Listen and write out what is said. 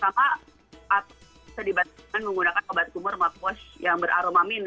sama kita dibatalkan menggunakan obat kumur makuos yang beraroma min